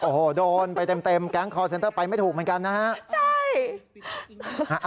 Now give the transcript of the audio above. โอ้โหโดนไปเต็มแก๊งคอร์เซ็นเตอร์ไปไม่ถูกเหมือนกันนะฮะใช่